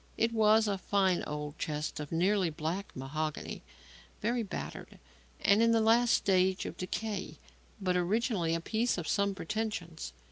It was a fine old chest of nearly black mahogany, very battered and in the last stage of decay, but originally a piece of some pretensions.